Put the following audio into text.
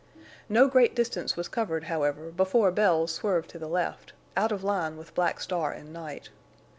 No great distance was covered, however, before Bells swerved to the left, out of line with Black Star and Night.